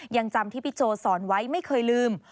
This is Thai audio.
ยังจำที่พี่โจสอนไว้ไม่เคยลืม